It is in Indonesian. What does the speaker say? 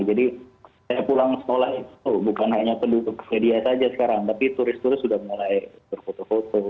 jadi saya pulang sekolah itu bukan hanya penduduk media saja sekarang tapi turis turis sudah mulai berfoto foto